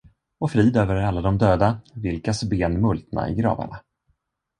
Och frid över alla de döda, vilkas ben multna i gravarna!